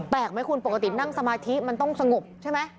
แปลกไหมคุณปกตินั่งสมาธิมันต้องสงบใช่ไหม